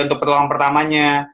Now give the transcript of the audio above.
untuk pertolongan pertamanya